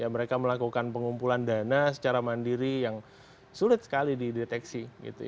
mereka melakukan pengumpulan dana secara mandiri yang sulit sekali dideteksi